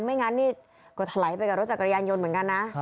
งั้นนี่ก็ถลายไปกับรถจักรยานยนต์เหมือนกันนะ